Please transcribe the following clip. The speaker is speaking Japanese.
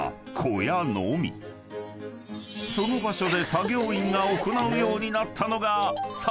［その場所で作業員が行うようになったのが］